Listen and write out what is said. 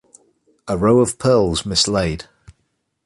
A row of pearls mislaid.